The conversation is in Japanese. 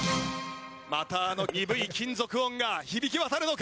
またあの鈍い金属音が響き渡るのか？